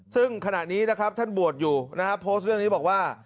ซึ่งขณะนี้นะครับท่านบวชอยู่นะฮะโพสต์เรื่องนี้บอกว่า